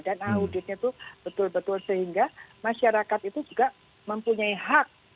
dan auditnya itu betul betul sehingga masyarakat itu juga mempunyai hak